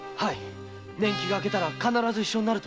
年期があけたら一緒になると。